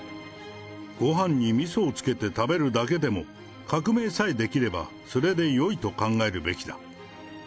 ごはんにみそをつけて食べるだけでも、革命さえできれば、それでよいと考えるべきだ。